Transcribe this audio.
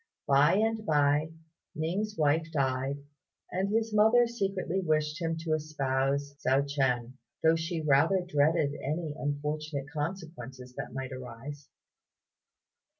By and by, Ning's wife died, and his mother secretly wished him to espouse Hsiao ch'ien, though she rather dreaded any unfortunate consequences that might arise.